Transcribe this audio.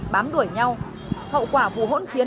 bám đuổi nhau hậu quả vụ hỗn chiến